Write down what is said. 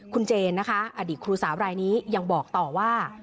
คุณเจนนะคะอดีตครูสาวรายนี้ยังบอกต่อว่า